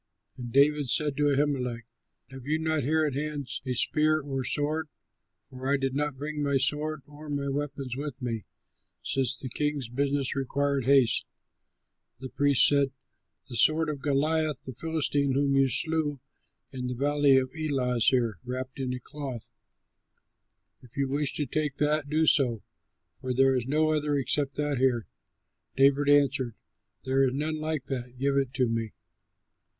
And David said to Ahimelech, "Have you not here at hand a spear or sword? For I did not bring my sword or my weapons with me, since the king's business required haste." The priest said, "The sword of Goliath the Philistine whom you slew in the valley of Elah is there, wrapped in a cloth. If you wish to take that, do so, for there is no other except that here." David answered, "There is none like that; give it to me."